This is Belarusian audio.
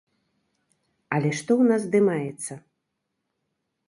Але што ў нас здымаецца?